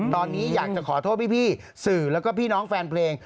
ตอนนี้อยากจะขอโทษพี่สื่อแล้วก็พี่น้องแฟนเพลง